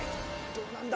どうなんだ？